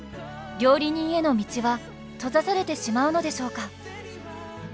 料理人への道は閉ざされてしまうのでしょうか？